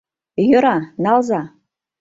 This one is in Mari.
Йӧра, налза.